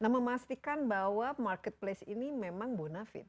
memastikan bahwa marketplace ini memang bonafit